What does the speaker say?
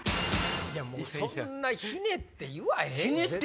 そんなひねって言わへんって。